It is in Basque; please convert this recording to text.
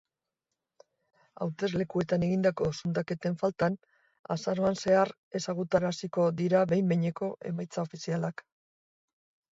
Hauteslekuetan egindako zundaketen faltan, azaroan zehar ezagutaraziko dira behin-behineko emaitza ofizialak.